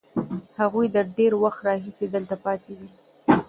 هغوی له ډېر وخت راهیسې دلته پاتې دي.